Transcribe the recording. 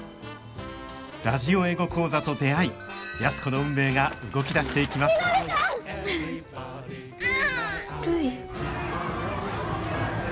ラジオ英語講座と出会い安子の運命が動き出していきまするい。